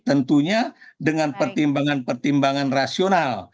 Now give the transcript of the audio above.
tentunya dengan pertimbangan pertimbangan rasional